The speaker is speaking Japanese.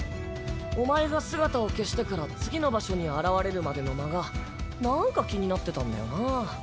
お前が姿を消してから次の場所に現れるまでの間がなんか気になってたんだよなぁ。